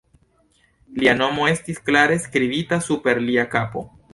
Lia nomo estis klare skribita super lia kapo.